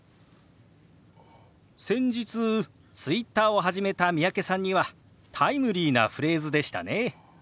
先日Ｔｗｉｔｔｅｒを始めた三宅さんにはタイムリーなフレーズでしたね。